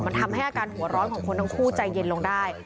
มันทำให้อาการหัวร้อนของคนทั้งคู่ใจเย็นลงได้